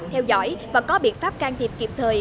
theo dõi và có biện pháp can thiệp kịp thời